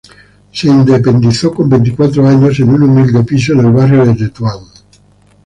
Se independizó con veinticuatro años en un humilde piso en el barrio de Tetuán.